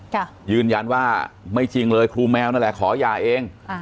ก็มีคืนย้านว่าไม่จริงเลยครูแมวนั่นแหละขอยาเอง